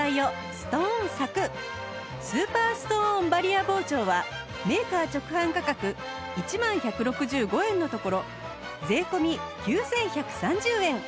スーパーストーンバリア包丁はメーカー直販価格１万１６５円のところ税込９１３０円